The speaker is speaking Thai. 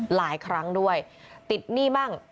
หลายครั้งด้วยติดหนี้มั่ง